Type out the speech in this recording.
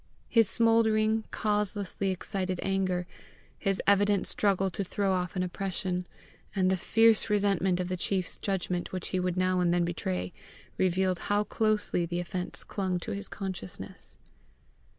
His smouldering, causelessly excited anger, his evident struggle to throw off an oppression, and the fierce resentment of the chief's judgment which he would now and then betray, revealed how closely the offence clung to his consciousness.